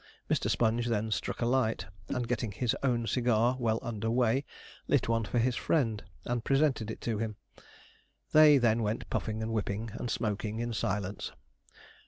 Mr. Sponge then struck a light, and, getting his own cigar well under way, lit one for his friend, and presented it to him. They then went puffing, and whipping, and smoking in silence.